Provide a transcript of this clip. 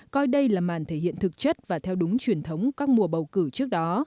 coi đây là màn thể hiện thực chất và theo đúng truyền thống các mùa bầu cử trước đó